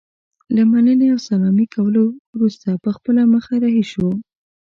له مننې او سلامي کولو وروسته پر خپله مخه رهي شو.